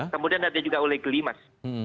kemudian ada juga ulegli mas